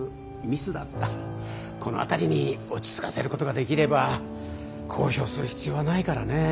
この辺りに落ち着かせることができれば公表する必要はないからね。